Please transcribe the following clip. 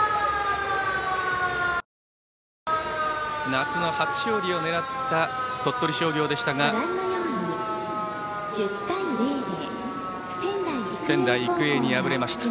夏の初勝利を狙った鳥取商業でしたが仙台育英に敗れました。